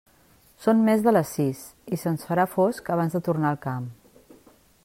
Són més de les sis, i se'ns farà fosc abans de tornar al camp.